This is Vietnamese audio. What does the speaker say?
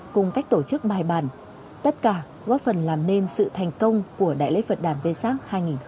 cùng cách tổ chức bài bàn tất cả góp phần làm nên sự thành công của đại lễ phật đàn vê sát hai nghìn một mươi chín